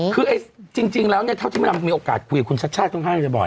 คือจริงแล้วเนี่ยเท่าที่มีโอกาสคุยกับคุณชัดชาติค่อนข้างจะบ่อย